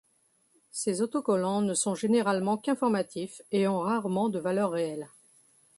Ces autocollants ne sont généralement qu'informatifs et ont rarement de valeur réelle.